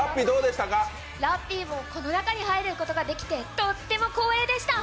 ラッピーもこの中に入ることができてとっても光栄でした。